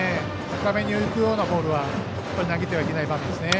高めに浮くようなボールは投げてはいけない場面ですね。